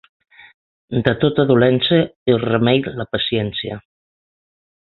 De tota dolença és remei la paciència.